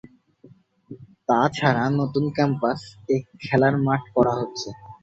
তাছাড়া নতুন ক্যাম্পাস এ খেলার মাঠ করা হচ্ছে।